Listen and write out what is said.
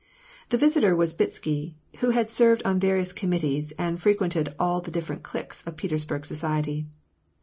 The visitor was Bitsky, who had served on various commit tees, and frequented all the different cliques of Petersburg society.